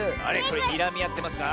これにらみあってますか？